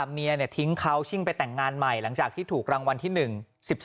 เมียทิ้งเขาชิ่งไปแต่งงานใหม่หลังจากที่ถูกรางวัลที่๑๑๒